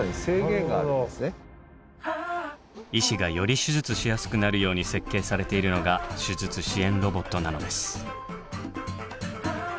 医師がより手術しやすくなるように設計されているのが手術支援ロボットなのです。